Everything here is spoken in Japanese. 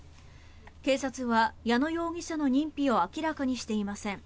警察は矢野容疑者の認否を明らかにしていません。